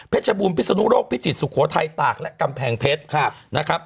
เพชรบูมพิสนุโรคพิจิตรสุโขทัยตากและกำแพงเพชร